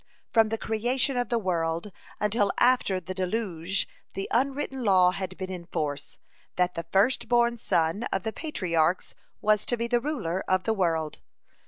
From the creation of the world until after the deluge the unwritten law had been in force, that the first born son of the patriarchs was to be the ruler of the world.